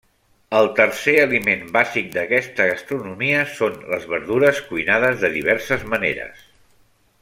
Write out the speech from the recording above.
El tercer aliment bàsic d'aquesta gastronomia són les verdures, cuinades de diverses maneres.